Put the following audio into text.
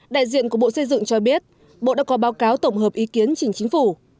đại diện của bộ xây dựng cho biết bộ đã có báo cáo tổng hợp ý kiến chính chính phủ